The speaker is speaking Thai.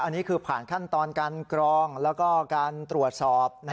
อันนี้คือผ่านขั้นตอนการกรองแล้วก็การตรวจสอบ